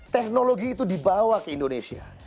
teknologi itu dibawa ke indonesia